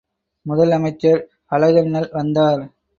முதல் அமைச்சர் அழகண்ணல் வந்தார்.